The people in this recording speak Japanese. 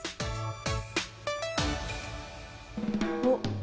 おっ。